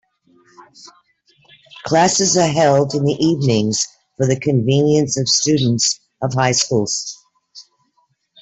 Classes are held in the evenings for the convenience of students of high schools.